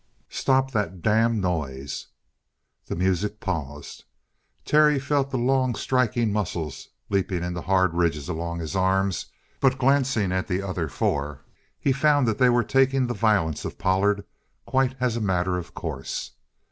"Stop that damned noise!" The music paused. Terry felt the long striking muscles leap into hard ridges along his arms, but glancing at the other four, he found that they were taking the violence of Pollard quite as a matter of course.